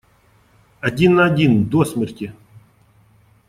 Один на один, до смерти!